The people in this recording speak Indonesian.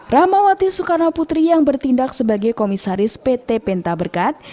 rahmawati soekarno putri yang bertindak sebagai komisaris pt penta berkat